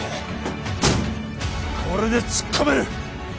これで突っ込める